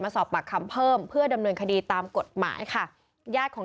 สอบปากคำเพิ่มเพื่อดำเนินคดีตามกฎหมายค่ะญาติของ